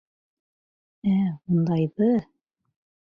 Ә ундайҙы!..